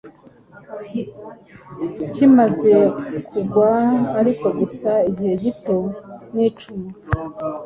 kimaze kugwa ariko gusa igihe gito nicumu